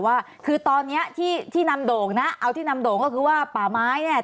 ว่าคือตอนเนี้ยที่ที่นำโด่งนะเอาที่นำโด่งก็คือว่าป่าไม้เนี่ย